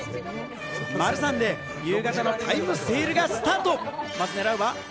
そして午後４時、マルサンで夕方のタイムセールがスタート！